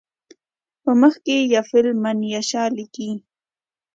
په مخ کې یفل من یشاء لیکي.